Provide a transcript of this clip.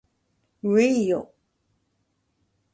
うぇいよ